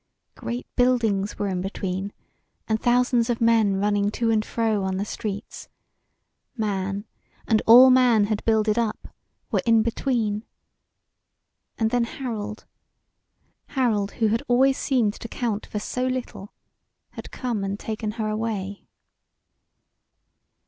Great buildings were in between, and thousands of men running to and fro on the streets; man, and all man had builded up, were in between. And then Harold Harold who had always seemed to count for so little, had come and taken her away.